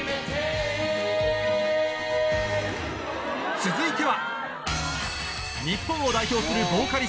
続いては